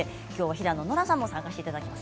平野ノラさんも参加していただきます。